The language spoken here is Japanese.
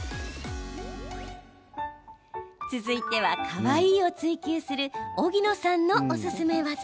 続いては、かわいいを追求する荻野さんのおすすめ技。